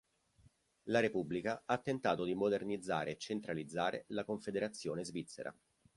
La Repubblica ha tentato di modernizzare e centralizzare la Confederazione svizzera.